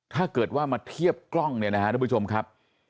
ถ้าเกิดว่ามาเทียบกล้องเนี่ยนะครับทุกผู้ชมครับ